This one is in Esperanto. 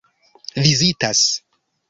vizitas